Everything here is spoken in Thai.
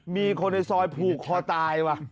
มีคนในซอยผูกคอตายว่ะ